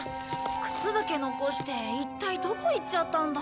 靴だけ残して一体どこ行っちゃったんだ？